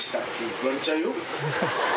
言われちゃうよ。